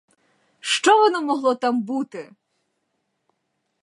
Що воно могло там бути?!